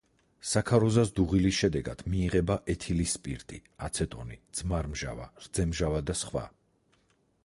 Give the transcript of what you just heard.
საქაროზას დუღილის შედეგად მიიღება ეთილის სპირტი, აცეტონი, ძმარმჟავა, რძემჟავა და სხვა.